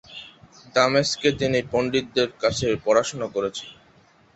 দামেস্কে তিনি পণ্ডিতদের কাছে পড়াশোনা করেছেন।